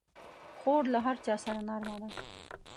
خور له هر چا سره نرمه ده.